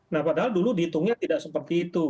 nah padahal dulu dihitungnya tidak seperti itu